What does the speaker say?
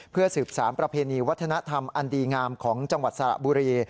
เพื่อสืบสารประเพณีวัฒนธรรมอันดีงามของจังหวัดสระบุรี